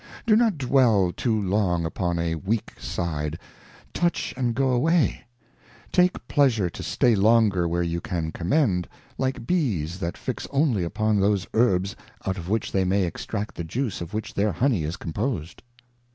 Do not dwell too long upon a weak Side, touch and go away; take pleasure to stay longer where you can commend, like Bees that fix only upon those Herbs out of which they may extract the Juice of which their Honey is composed.